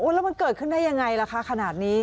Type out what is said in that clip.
แล้วมันเกิดขึ้นได้ยังไงล่ะคะขนาดนี้